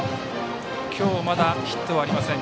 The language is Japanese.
今日まだヒットはありません